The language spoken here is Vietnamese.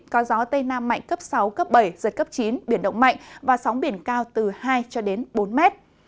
có gió tây nam mạnh cấp sáu cấp bảy giật cấp chín biển động mạnh và sóng biển cao từ hai cho đến bốn mét